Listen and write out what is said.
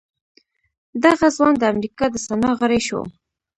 دغه ځوان د امريکا د سنا غړی شو.